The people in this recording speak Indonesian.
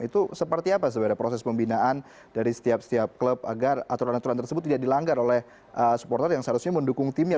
itu seperti apa sebenarnya proses pembinaan dari setiap setiap klub agar aturan aturan tersebut tidak dilanggar oleh supporter yang seharusnya mendukung timnya